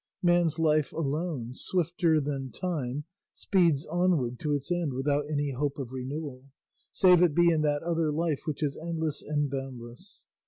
Man's life alone, swifter than time, speeds onward to its end without any hope of renewal, save it be in that other life which is endless and boundless.